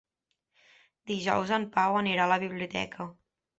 Dijous en Pau anirà a la biblioteca.